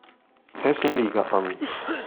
Hessenliga an.